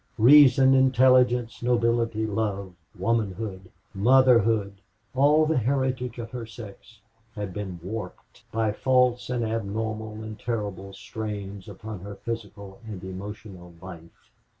Reason, intelligence, nobility, love, womanhood, motherhood all the heritage of her sex had been warped by false and abnormal and terrible strains upon her physical and emotional life.